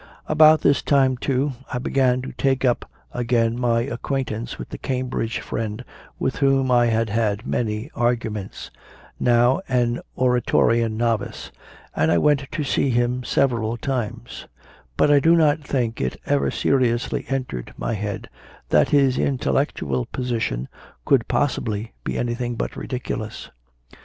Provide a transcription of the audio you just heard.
9. About this time, too, I began to take up again my acquaintance with the Cambridge friend with whom I had had many arguments now an Oratorian novice and went to see him several times; but I do not think it ever seriously entered my head that his intellectual position could possibly be anything but ridiculous.